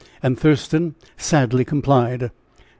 And Thurston sadly complied.